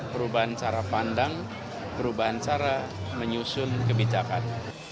perubahan cara pandang perubahan cara menyusun kebijakan